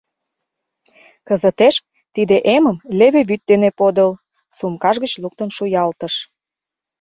Кызытеш тиде эмым леве вӱд дене подыл, — сумкаж гыч луктын шуялтыш.